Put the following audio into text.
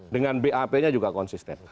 dengan bap nya juga konsisten